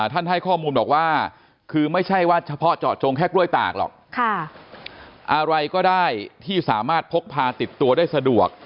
ให้ข้อมูลบอกว่าคือไม่ใช่ว่าเฉพาะเจาะจงแค่กล้วยตากหรอกอะไรก็ได้ที่สามารถพกพาติดตัวได้สะดวก